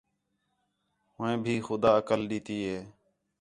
ہُوں بھی خُدا عقل ݙِتّی ہِے